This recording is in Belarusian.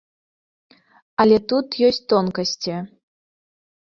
Але тут ёсць тонкасці.